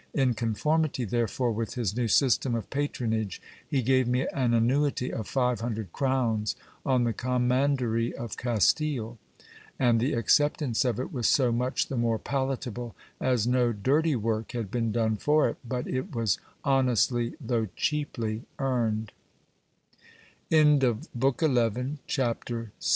In conformity therefore with his new system of patronage, he gave me an annuity of five hundred crowns on the commandery of Castile ; and the acceptance of it was so much the more palatable, as no dirty work had been done for it, but it was honestly, though cheaply